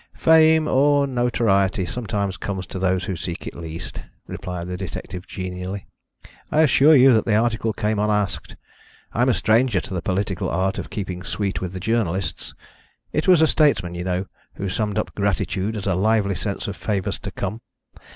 "Fame or notoriety sometimes comes to those who seek it least," replied the detective genially. "I assure you that article came unasked. I'm a stranger to the political art of keeping sweet with the journalists it was a statesman, you know, who summed up gratitude as a lively sense of favours to come.